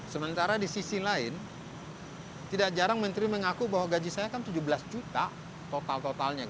sementara di sisi lain tidak jarang menteri mengaku bahwa gaji saya kan tujuh belas juta total totalnya